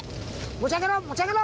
持ち上げろ持ち上げろ！